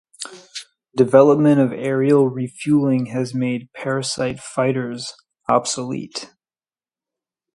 Development of aerial refueling has made parasite fighters obsolete.